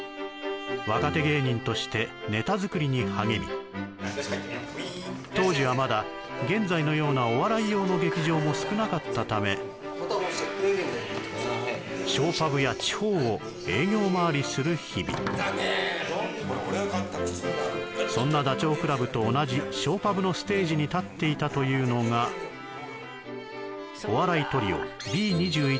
若手芸人として当時はまだ現在のようなお笑い用の劇場も少なかったためショーパブや地方を営業回りする日々そんなダチョウ倶楽部と同じショーパブのステージに立っていたというのがお笑いトリオＢ２１